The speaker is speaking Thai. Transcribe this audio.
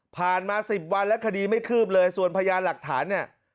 มา๑๐วันแล้วคดีไม่คืบเลยส่วนพยานหลักฐานเนี่ย